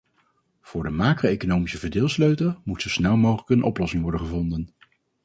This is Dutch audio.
Voor de macro-economische verdeelsleutel moet zo snel mogelijk een oplossing worden gevonden.